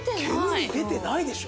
煙出てないでしょ？